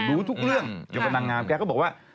รู้ทุกเรื่องเกี่ยวกับนางงามแกก็บอกว่า